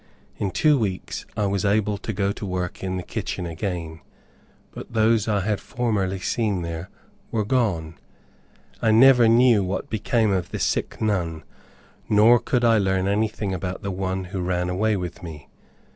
In two weeks I was able to go to work in the kitchen again. But those I had formerly seen there were gone. I never knew what became of the sick nun, nor could I learn anything about the one who ran away with me.